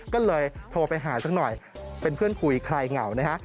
ก็เลยโทรไปหาสักหน่อยเป็นเพื่อนคุยคลายเหงานะฮะ